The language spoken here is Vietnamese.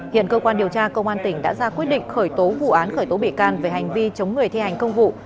hiện cơ quan điều tra công an tỉnh đã ra quyết định khởi tố vụ án khởi tố bị can về hành vi chống người thi hành công vụ